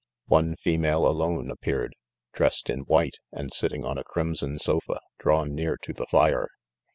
One female alone ap peared, dressedin white, and sitting on a crim son sofa, drawn near to the fire.